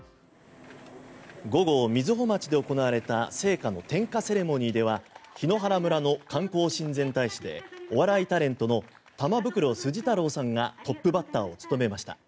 午後、瑞穂町で行われた聖火の点火セレモニーでは檜原村の観光親善大使でお笑いタレントの玉袋筋太郎さんがトップバッターを務めました。